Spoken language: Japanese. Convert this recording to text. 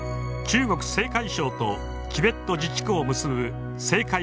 中国・青海省とチベット自治区を結ぶ青海